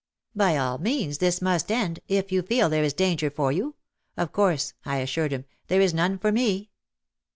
"By all means this must end, if you feel there is danger for you. Of course," I assured him, "there is none for me.